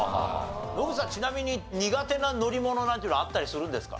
野口さんちなみに苦手な乗り物なんていうのあったりするんですか？